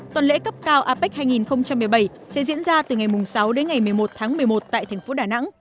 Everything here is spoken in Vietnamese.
tuần lễ cấp cao apec hai nghìn một mươi bảy sẽ diễn ra từ ngày sáu đến ngày một mươi một tháng một mươi một tại thành phố đà nẵng